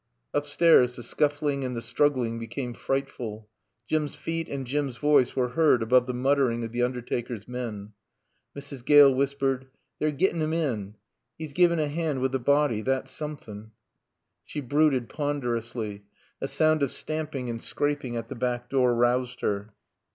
Upstairs the scuffling and the struggling became frightful. Jim's feet and Jim's voice were heard above the muttering of the undertaker's men. Mrs. Gale whispered. "They're gettin' 'im in. 'E's gien a haand wi' t' body. Thot's soomthin'." She brooded ponderously. A sound of stamping and scraping at the back door roused her.